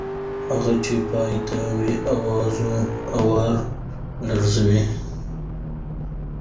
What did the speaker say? هغه چې پاتې ول، آوار لړزېدل.